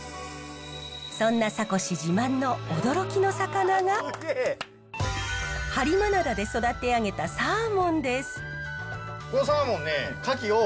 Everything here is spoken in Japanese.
そんな坂越自慢の驚きの魚が播磨灘で育て上げたサーモンです。